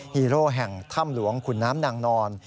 ฮีโร่แห่งถ้ำหลวงขุนน้ำนางนอน